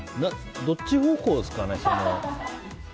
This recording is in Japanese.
どっち方向ですかね？